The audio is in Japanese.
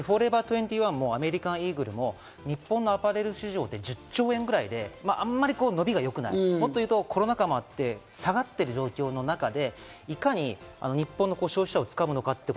２１もアメリカンイーグルも日本のアパレル市場で１０兆円ぐらいで、あまり伸びが良くない、コロナ禍もあって下がってる状況の中で、いかに日本の消費者を掴むのか。